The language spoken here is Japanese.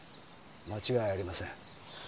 間違いありません。